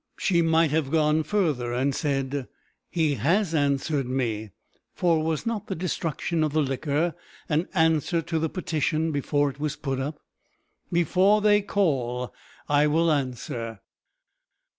She might have gone further and said, "He has answered me," for was not the destruction of the liquor an answer to the petition before it was put up? "Before they call I will answer."